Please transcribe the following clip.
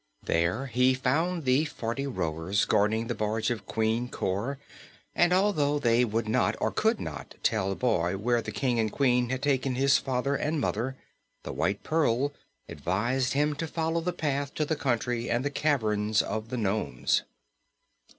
There he found the forty rowers guarding the barge of Queen Cor, and although they would not or could not tell the boy where the King and Queen had taken his father and mother, the White Pearl advised him to follow the path to the country and the caverns of the nomes.